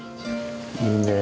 いいねえ